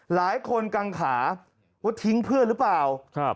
หลายคนกังขาว่าทิ้งเพื่อนหรือเปล่า